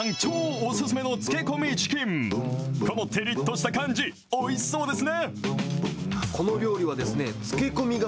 このてりっとした感じ、おいしそうですね。